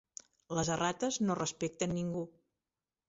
Les errates no respecten ningú.